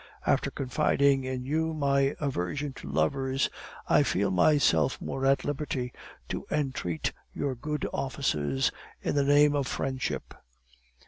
'After confiding in you my aversion to lovers, I feel myself more at liberty to entreat your good offices in the name of friendship.